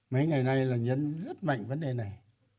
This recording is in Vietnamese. mấy ngày nay là nhấn rất mạnh vấn đề này